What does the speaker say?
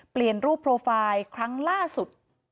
เปลี่ยนรูปโปรไฟล์ครั้งล่าสุด